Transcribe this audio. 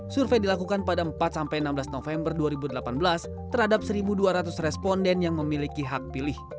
survei dilakukan pada empat sampai enam belas november dua ribu delapan belas terhadap satu dua ratus responden yang memiliki hak pilih